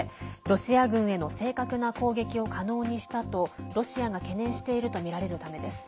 ロシア軍への正確な攻撃を可能にしたとロシアが懸念しているとみられるためです。